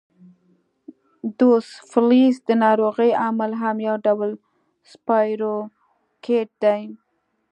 دوسفلیس د ناروغۍ عامل هم یو ډول سپایروکیټ دی.